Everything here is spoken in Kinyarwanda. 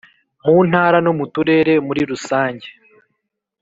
(mu ntara no mu turere muri rusange)